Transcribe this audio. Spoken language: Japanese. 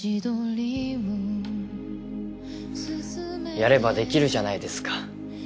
やればできるじゃないですか。